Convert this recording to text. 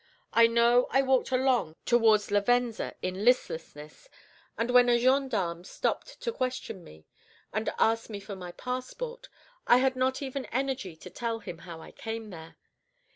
I know I walked along towards Lavenza in listlessness, and when a gendarme stopped to question me, and asked for my passport, I had not even energy to tell him how I came there.